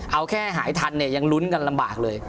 เอาแค่หายทันเนี่ยยังลุ้นกันลำบากเลย